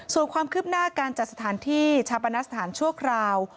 ส่วนความคืบหน้าการจัดสถานที่ชาปนสถานชั่วคราว